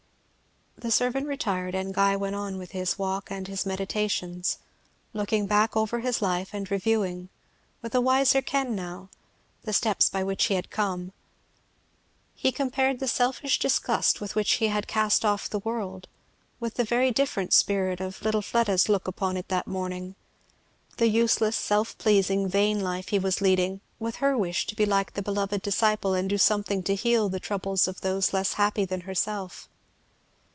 The servant retired and Guy went on with his walk and his meditations, looking back over his life and reviewing, with a wiser ken now, the steps by which he had come. He compared the selfish disgust with which he had cast off the world with the very different spirit of little Fleda's look upon it that morning, the useless, self pleasing, vain life he was leading, with her wish to be like the beloved disciple and do something to heal the troubles of those less happy than herself.